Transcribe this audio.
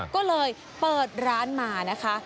ก็เลยเปิดร้านมานะคะ